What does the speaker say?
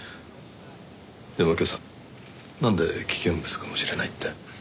でも右京さんなんで危険物かもしれないって？